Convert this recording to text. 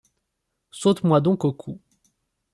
Saute-moi donc au cou.